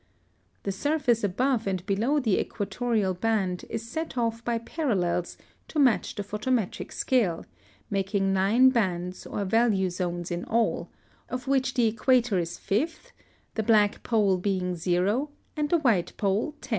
[Illustration: Fig. 19.] (119) The surface above and below the equatorial band is set off by parallels to match the photometric scale, making nine bands or value zones in all, of which the equator is fifth, the black pole being 0 and the white pole 10.